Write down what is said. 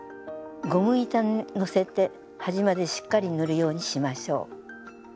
ゴム板にのせて端までしっかり塗るようにしましょう。